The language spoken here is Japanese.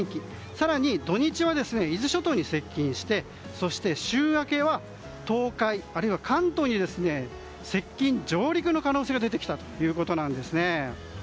更に、土日は伊豆諸島に接近してそして、週明けは東海、あるいは関東に接近、上陸の可能性が出てきたということなんですね。